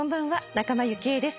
仲間由紀恵です。